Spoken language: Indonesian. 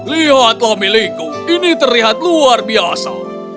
lihatlah milikku ini terlihat luar biasa